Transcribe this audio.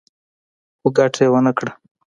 خو ګټه يې ونه کړه.